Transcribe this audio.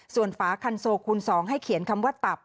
ส่วนฝาคันโซคูณ๒ให้เขียนคำว่าตับ